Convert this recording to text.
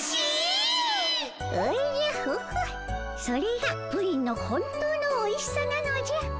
それがプリンの本当のおいしさなのじゃ。